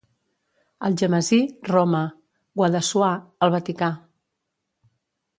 Algemesí, Roma; Guadassuar, el Vaticà.